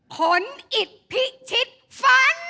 ขนอิดพิชิตฟัน